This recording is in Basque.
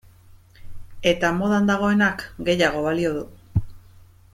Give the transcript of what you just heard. Eta modan dagoenak gehiago balio du.